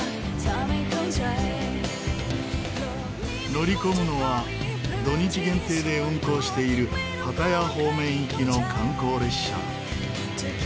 乗り込むのは土日限定で運行しているパタヤ方面行きの観光列車。